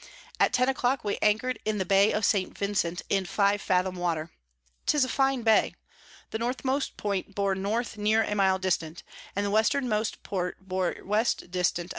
At ten a clock we anchored in the Bay of St. Vincent in five fathom Water. 'Tis a fine Bay: The Northmost Point bore North near a mile dist. and the Westermost Point bore West dist.